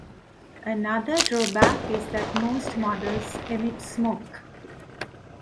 Another drawback is that most models emit smoke.